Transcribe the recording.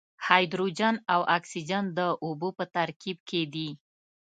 هایدروجن او اکسیجن د اوبو په ترکیب کې دي.